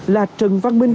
là trần văn minh